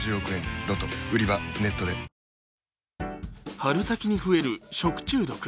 春先に増える食中毒。